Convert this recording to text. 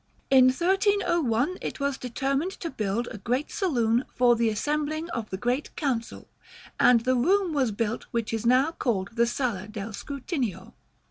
"In 1301, it was determined to build a great saloon for the assembling of the Great Council, and the room was built which is now called the Sala del Scrutinio."